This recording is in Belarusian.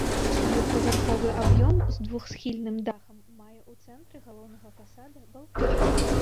Двухпавярховы аб'ём з двухсхільным дахам мае ў цэнтры галоўнага фасада балкон.